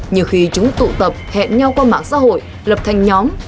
nhiều khi chúng tụ tập hẹn nhau qua mạng xã hội lập thành nhóm